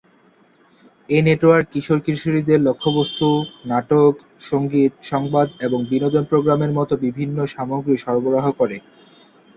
এই নেটওয়ার্ক কিশোর-কিশোরীদের লক্ষ্যবস্তু নাটক, সংগীত, সংবাদ এবং বিনোদন প্রোগ্রামের মতো বিভিন্ন সামগ্রী সরবরাহ করে।